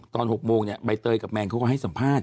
ตอน๖โมงเนี่ยใบเตยกับแมนเขาก็ให้สัมภาษณ